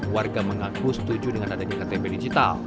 warga mengaku setuju dengan adanya ktp digital